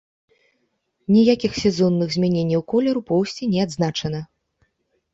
Ніякіх сезонных змяненняў колеру поўсці не адзначана.